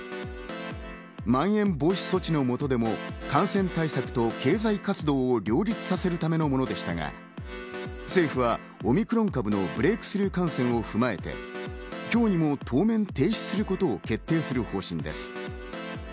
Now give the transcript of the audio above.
まん延防止措置のもとでも感染対策と経済活動を両立させるためのものでしたが、政府はオミクロン株のブレイクスルー感染を踏まえて、今日にも当面停止することを決定する方針です。